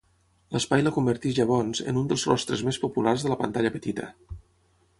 L'espai la converteix llavors, en un dels rostres més populars de la pantalla petita.